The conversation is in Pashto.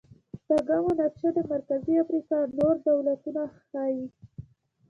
شپږمه نقشه د مرکزي افریقا نور دولتونه ښيي.